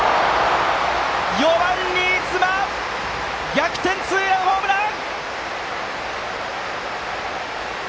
４番、新妻！逆転ツーランホームラン！